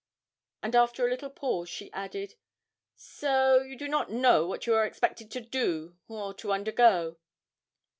And after a little pause, she added 'So you do not know what you are expected to do or to undergo.'